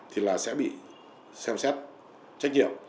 thì sẽ bị xem xét trách nhiệm